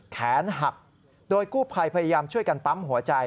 แขนหักโดยกู้ภัยพยายามช่วยกันปั๊มหัวใจ